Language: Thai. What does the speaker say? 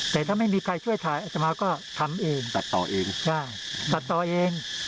แล้วก็ทำทุกวัน